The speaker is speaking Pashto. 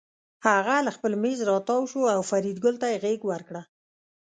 هغه له خپل مېز راتاو شو او فریدګل ته یې غېږ ورکړه